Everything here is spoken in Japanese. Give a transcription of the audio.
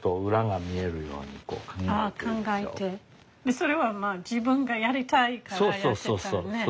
それはまあ自分がやりたいからやってたのよね。